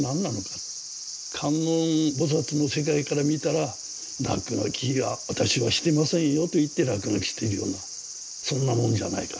観音菩薩の世界から見たら「落書きは私はしてませんよ」と言って落書きしているようなそんなもんじゃないかと。